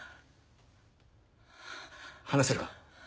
話せるか？